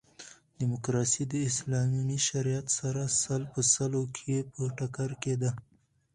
ډیموکاسي د اسلامي شریعت سره سل په سلو کښي په ټکر کښي ده.